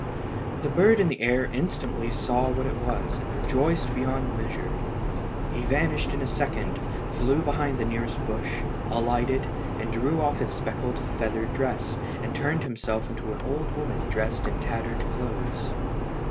The bird in the air instantly saw what it was, and rejoiced beyond measure. He vanished in a second, flew behind the nearest bush, alighted, and drew off his speckled feather dress, and turned himself into an old woman dressed in tattered clothes.